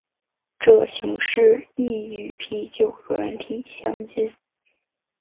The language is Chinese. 这形式亦与啤酒软体相近。